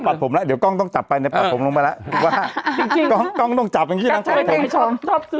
ปัดผมแล้วเดี๋ยวกล้องต้องจับไปปัดผมลงไปละกล้องต้องจับอย่างนี้นะครับ